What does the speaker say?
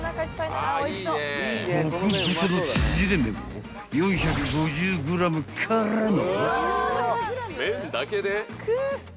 ［極太の縮れ麺を４５０ｇからの］